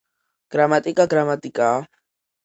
გრამატიკა გრამატიკაა